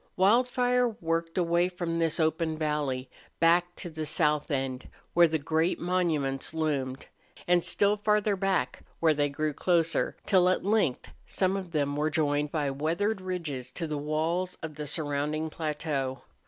Wildfire worked away from this open valley, back to the south end, where the great monuments loomed, and still farther back, where they grew closer, till at length some of them were joined by weathered ridges to the walls of the surrounding plateau.